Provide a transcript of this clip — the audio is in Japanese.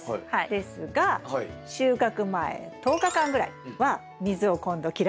ですが収穫前１０日間ぐらいは水を今度切らしめにします。